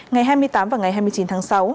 ngày hai mươi tám và ngày hai mươi chín tháng sáu